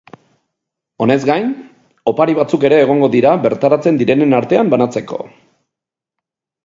Honez gain, opari batzuk ere egongo dira bertaratzen direnen artean banatzeko.